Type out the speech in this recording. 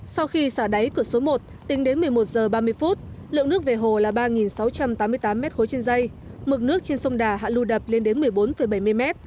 sau khi xả đáy cửa số một tính đến một mươi một h ba mươi lượng nước về hồ là ba sáu trăm tám mươi tám m ba trên dây mực nước trên sông đà hạ lưu đập lên đến một mươi bốn bảy mươi m